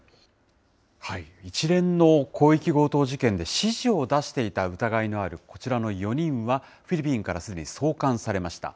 一連の広域強盗事件で指示を出していた疑いのあるこちらの４人は、フィリピンからすでに送還されました。